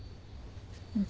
うん。